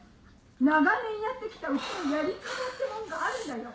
長年やってきたうちのやり方ってもんがあるんだよ。